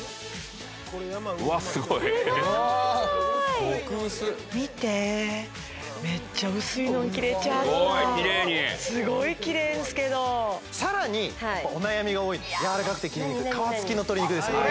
うわっすごいすごい・極薄見てめっちゃ薄いのん切れちゃったすごいきれいにすごい切れるんですけどさらにやっぱお悩みが多いやわらかくて切りにくい皮付きの鶏肉ですよね・